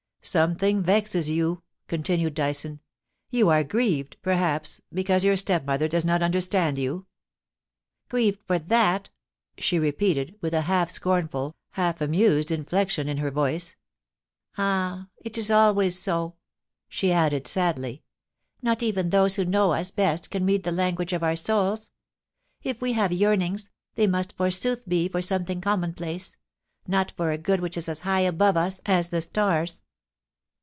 * Something vexes you,' continued Dyson. * You are grieved, perhaps, because your stepmother does not under stand you.' ' Grieved for that !' she repeated, with a half scornful, half amused inflection in her voice. Ah ! it is always so,' she added sadly. * Not even those who know us best can read the language of our souls. If we have yearnings, they must forsooth be for something commonplace — not for a good which is as high above us as the stars.'